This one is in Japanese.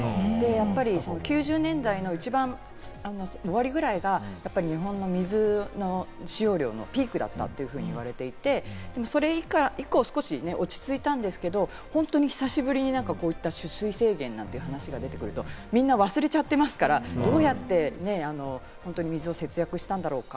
やっぱり９０年代の一番終わりぐらいが日本の水の使用量のピークだったというふうに言われていて、それ以降は少し落ち着いたんですけれど、本当に久しぶりに、こういった取水制限なんていう話が出てくるとみんな忘れちゃってますから、どうやって水を節約したんだろうか？